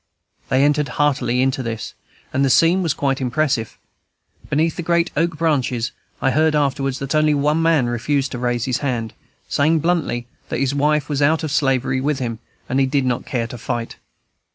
They entered heartily into this, and the scene was quite impressive, beneath the great oak branches. I heard afterwards that only one man refused to raise his hand, saying bluntly that his wife was out of slavery with him, and he did not care to fight.